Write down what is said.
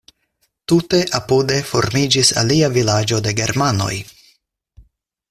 Tute apude formiĝis alia vilaĝo de germanoj.